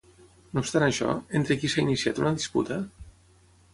No obstant això, entre qui s'ha iniciat una disputa?